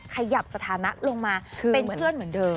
ขยับสถานะลงมาเป็นเพื่อนเหมือนเดิม